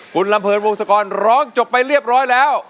คุณลำเนินวงศกรร้องจบไปเรียบร้อยแล้ว